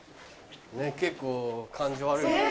結構感じ悪い。